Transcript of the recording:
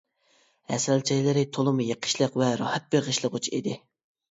ھەسەل چايلىرى تولىمۇ يېقىشلىق ۋە راھەت بېغىشلىغۇچى ئىدى.